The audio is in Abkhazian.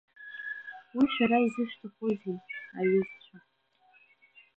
Уи шәара изышәҭахузеи, аҩызцәа.